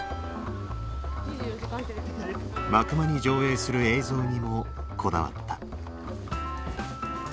幕間に上映する映像にもこだわった。